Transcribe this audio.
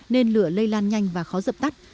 nên lửa lây lan nhanh và khó dập tắt